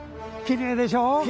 きれいでしょう。